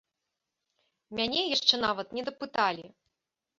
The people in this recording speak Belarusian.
Мяне яшчэ нават не дапыталі.